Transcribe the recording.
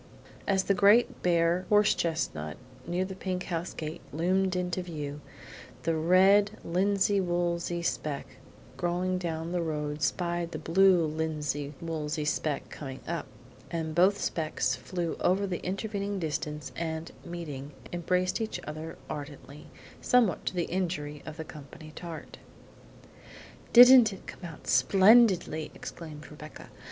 As the great bare horse chestnut near the pink house gate loomed into view, the red linsey woolsey speck going down the road spied the blue linsey woolsey speck coming up, and both specks flew over the intervening distance and, meeting, embraced each other ardently, somewhat to the injury of the company tart. "Didn't it come out splendidly?" exclaimed Rebecca.